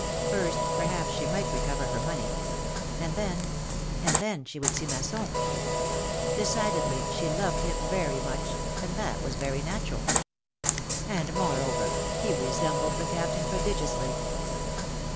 First, perhaps she might recover her money; and then — and then, she would see Masson. Decidedly, slie loved him very much — and that was very natural ! And more 178 philomi^ne's marriages. over, he resembled the Captain prodigiously